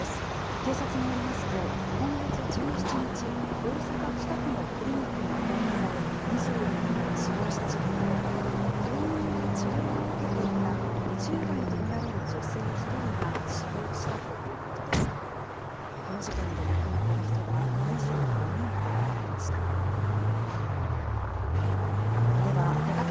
警察によりますと、今月１７日、大阪・北区のクリニックが放火され、２４人が死亡した事件で、病院で治療を受けていた２０代と見られる女性１人が死亡したということです。